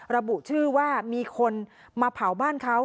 ระบุชื่อว่ามีคนมาเผาบ้านเขา